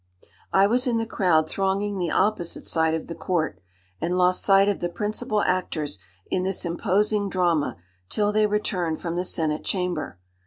"I was in the crowd thronging the opposite side of the court, and lost sight of the principal actors in this imposing drama till they returned from the Senate Chamber.